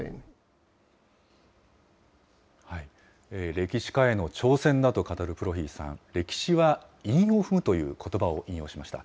歴史家への挑戦だと語るプロヒーさん、歴史は韻を踏むということばを引用しました。